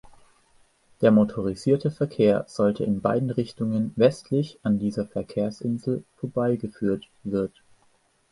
Der motorisierte Verkehr sollte in beiden Richtungen westlich an dieser Verkehrsinsel vorbeigeführt wird.